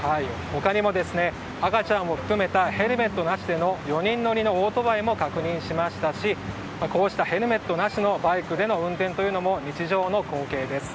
他にも赤ちゃんを含めたヘルメットなしでの４人乗りのオートバイも確認しましたしこうしたヘルメットなしのバイクの運転も日常の光景です。